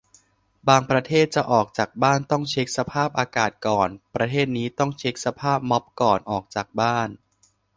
บางประเทศจะออกจากบ้านต้องเช็คสภาพอากาศก่อน ประเทศนี้ต้องเช็คสภาพม็อบก่อน ออกจากบ้าน